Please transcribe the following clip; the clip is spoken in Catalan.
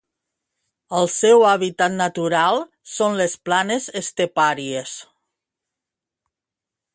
El seu hàbitat natural són les planes estepàries.